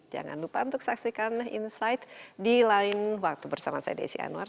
jangan lupa untuk saksikan insight di lain waktu bersama saya desi anwar